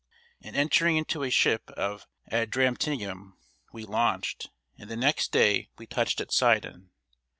And entering into a ship of Adramyttium, we launched, and the next day we touched at Sidon.